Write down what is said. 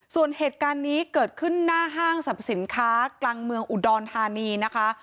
ส่วนเหตุการณ์นี้เกิดขึ้นหน้าห้างสรรพสินค้ากลางเมืองอุดรธานีนะคะ